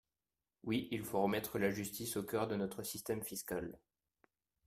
Oui, il faut remettre la justice au cœur de notre système fiscal.